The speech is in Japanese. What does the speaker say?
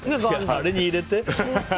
あれに入れて？